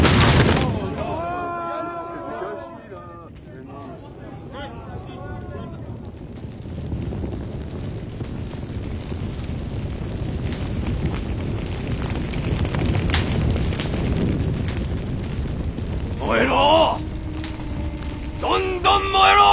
どんどん燃えろ！